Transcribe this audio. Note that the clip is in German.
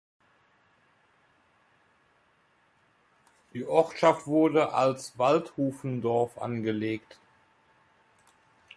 Die Ortschaft wurde als Waldhufendorf angelegt.